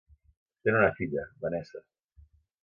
Tenen una filla, Vanessa.